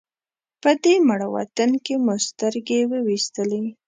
په دې مړ وطن کې مو سترګې وې وېستلې.